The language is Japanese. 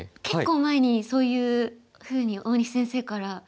結構前にそういうふうに大西先生から。